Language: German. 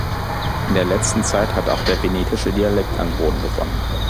In der letzten Zeit hat auch der venetische Dialekt an Boden gewonnen.